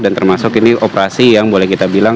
dan termasuk ini operasi yang boleh kita bilang